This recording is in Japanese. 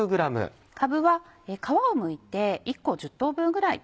かぶは皮をむいて１個１０等分ぐらい。